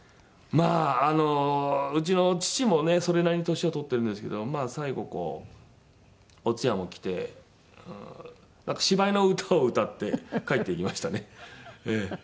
まああのうちの父もねそれなりに年を取ってるんですけども最後こうお通夜も来てなんか芝居の歌を歌って帰っていきましたねええ。